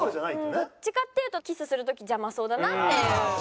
どっちかっていうとキスする時邪魔そうだなっていう。